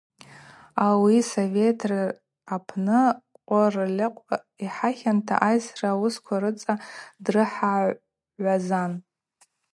Ауи Совет ры апны къвырльыкъв йхахьанта, айсра уысква рыцӏа дрыхагӏвазан.